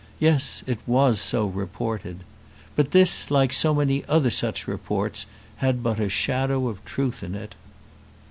Yes; it was so reported. But this, like so many other such reports, had but a shadow of truth in it.